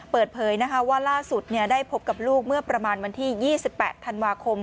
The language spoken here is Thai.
เปิดเผยว่าล่าสุดได้พบกับลูกเมื่อประมาณวันที่๒๘ธันวาคม